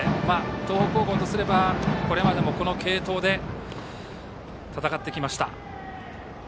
東北高校からすれば、これまでもこの継投で戦ってきました。